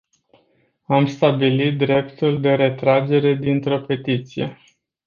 Am stabilit dreptul de retragere dintr-o petiție.